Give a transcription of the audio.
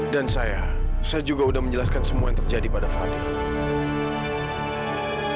saya saya juga sudah menjelaskan semua yang terjadi pada fadil